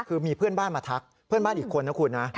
คือมีเพื่อนบ้านมาทักเพื่อนบ้านอีกคนนะคุณนะ